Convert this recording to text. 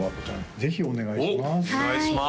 ぜひお願いします